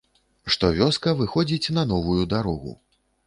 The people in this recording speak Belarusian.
Што вёска выходзіць на новую дарогу.